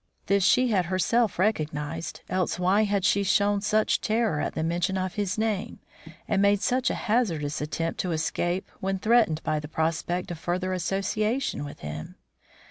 This she had herself recognised, else why had she shown such terror at the mention of his name and made such a hazardous attempt at escape when threatened by the prospect of further association with him?